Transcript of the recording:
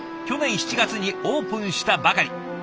去年７月にオープンしたばかり。